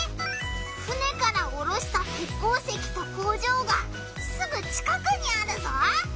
船からおろした鉄鉱石と工場がすぐ近くにあるぞ！